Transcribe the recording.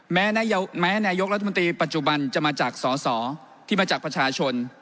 แม้นายกรัฐมนตรีปัจจุบันจะมาจากสอสอที่มาจากประชาชน